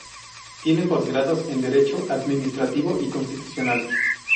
Tiene posgrados en derecho administrativo y constitucional.